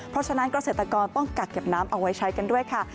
เพราะฉะนั้นเกษตรกรต้องกักเก็บน้ำเอาไว้ใช้กันด้วยค่ะ